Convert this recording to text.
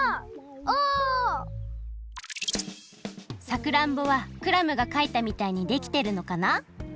さくらんぼはクラムがかいたみたいにできてるのかな？